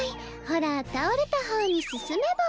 ほら倒れた方に進めば。